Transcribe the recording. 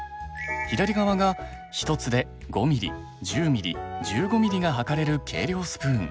左側が１つで５ミリ１０ミリ１５ミリが量れる計量スプーン。